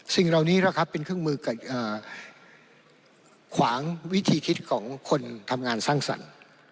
สิ่งเหล่านี้นะครับเป็นเครื่องมือขวางวิธีคิดของคนทำงานสร้างสรรค์